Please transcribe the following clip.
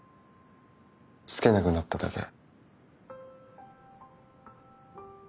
つけなくなっただけ。